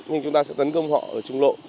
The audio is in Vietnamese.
nhưng chúng ta sẽ tấn công họ ở trung lộ